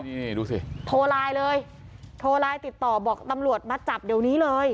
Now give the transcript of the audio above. นี่ดูสิโทรไลน์เลยโทรไลน์ติดต่อบอกตำรวจมาจับเดี๋ยวนี้เลย